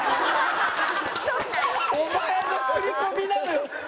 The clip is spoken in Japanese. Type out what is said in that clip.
お前のすり込みなのよ！